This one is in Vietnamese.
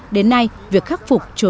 đến nay việc khắc phục chưa được